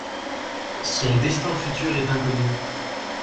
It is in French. Son destin futur est inconnu.